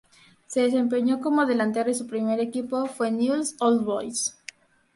Se desempeñó como delantero, y su primer equipo fue Newell's Old Boys.